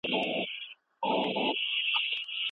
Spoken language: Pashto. موږ باید د تولید نوي لاري چاري وکاروو.